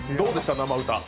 生歌。